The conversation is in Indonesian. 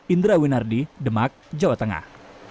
indra winardi demak jawa tengah